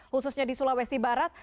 khususnya di sulawesi barat